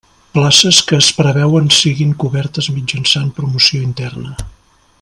Places que es preveuen siguin cobertes mitjançant promoció interna.